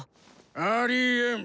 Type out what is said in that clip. ありえん！